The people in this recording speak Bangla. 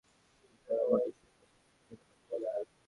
কিন্তু আবার সে শীঘ্রই তাকে ভুলে গিয়ে পূর্বের মত সেই গাছের ফল খেতে লাগলো।